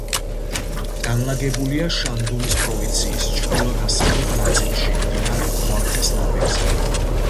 განლაგებულია შანდუნის პროვინციის ჩრდილო-დასავლეთ ნაწილში, მდინარე ხუანხეს ნაპირზე.